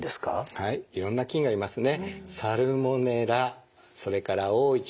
はいいろんな菌がいますね。